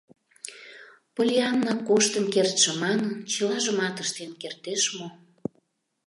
Поллианна коштын кертше манын, чылажымат ыштен кертеш мо?